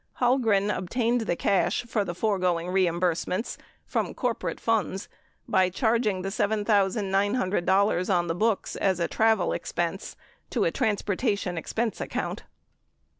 Halgren obtained the cash for the foregoing reimbursements from corporate funds by charging the $7,900 on the books as a travel expense to a transportation expense account.